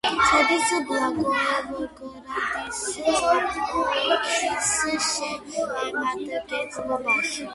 შედის ბლაგოევგრადის ოლქის შემადგენლობაში.